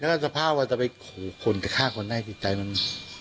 และก็สภาพว่าจะไปขูหลุ่นช่างช่างกันได้เสียใจมั้ง